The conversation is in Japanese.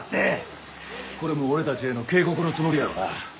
これも俺たちへの警告のつもりやろな。